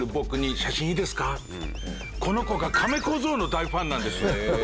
「この子がカメ小僧の大ファンなんです」。